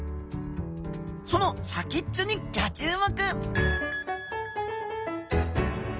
その先っちょにギョ注目！